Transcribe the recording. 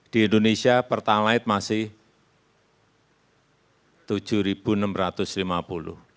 di indonesia pertalite masih rp tujuh enam ratus lima puluh